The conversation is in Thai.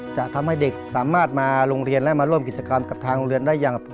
จะทำให้เด็กสามารถมาโรงเรียนและมาร่วมกิจกรรมกับทางโรงเรียนได้อย่าง